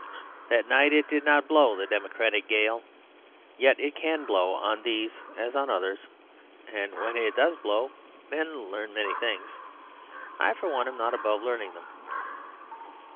That night it did not blow the democratic gale. Yet it can blow on these as on others; and when it does blow men learn many things. I, for one, am not above learning them.